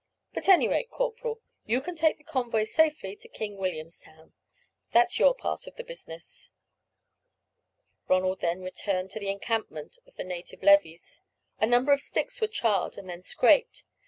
At any rate, corporal, you can take the convoy safely into King Williamstown. That's your part of the business." Ronald then returned to the encampment of the native levies. A number of sticks were charred and then scraped.